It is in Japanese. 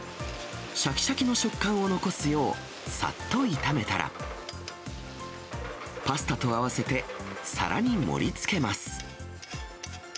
しゃきしゃきの食感を残すよう、さっと炒めたら、パスタと合わせて皿に盛りつけます。